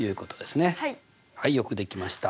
はいよくできました。